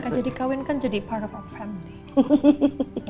mereka jadi kawin kan jadi part of our family